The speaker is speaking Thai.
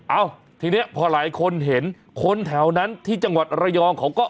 เอ้าทีนี้พอหลายคนเห็นคนแถวนั้นที่จังหวัดระยองเขาก็